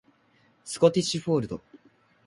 スコティッシュフォールド